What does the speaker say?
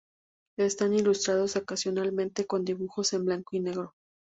Están ilustrados ocasionalmente con dibujos en blanco y negro.